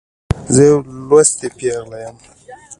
زه یوه لوستې پیغله يمه.